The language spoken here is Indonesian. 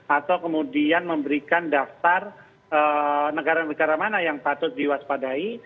atau kemudian memberikan daftar negara negara mana yang patut diwaspadai